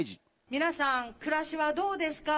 皆さん、暮らしはどうですか？